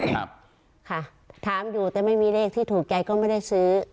ครับค่ะถามอยู่แต่ไม่มีเลขที่ถูกใจก็ไม่ได้ซื้อ